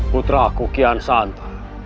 putraku kian santa